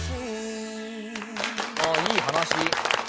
あっいい話！